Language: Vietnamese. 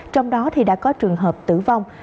trong đó thì đã có trường hợp tử vong